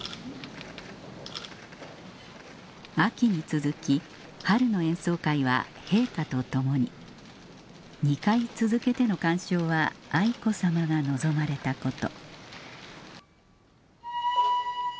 秋に続き春の演奏会は陛下と共に２回続けての鑑賞は愛子さまが望まれたこと